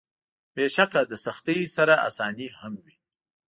بېشکه له سختۍ سره اساني هم وي.